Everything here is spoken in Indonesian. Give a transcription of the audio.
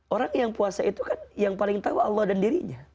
orang yang puasa itu kan yang paling tahu allah dan dirinya